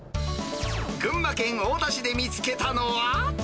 群馬県太田市で見つけたのは。